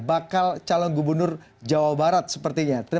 bakal calon gubernur jawa barat sepertinya